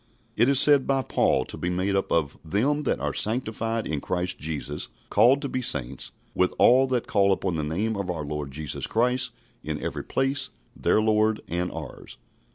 It is said by Paul to be made up of "them that are sanctified in Christ Jesus, called to be saints, with all that call upon the name of our Lord Jesus Christ in every place, their Lord and ours."